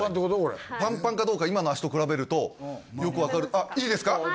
これパンパンかどうか今の足と比べるとよく分かるいいですか？